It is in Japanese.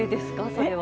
それは。